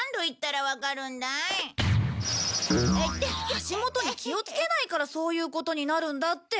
足元に気をつけないからそういうことになるんだって。